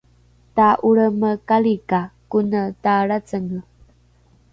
ka olremekali ka kone talracenge